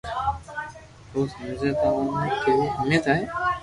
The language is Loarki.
اهو سمجهندا ته ان جي ڪهڙي اهميت آهي،